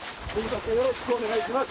よろしくお願いします。